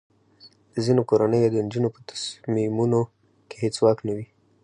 د ځینو کورنیو د نجونو په تصمیمونو کې هیڅ واک نه وي.